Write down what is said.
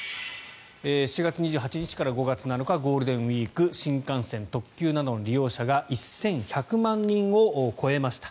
４月２８日から５月７日ゴールデンウィーク新幹線、特急などの利用者が１１００万人を超えました。